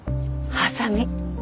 ハサミ？